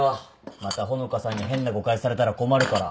また穂香さんに変な誤解されたら困るから。